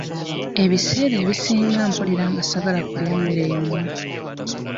Ebiseera ebisinga mpulira nga ssaagala kulya mmere yonna.